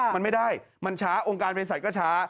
มันไม่ได้มันช้าองค์การเพศัตวก็ช้า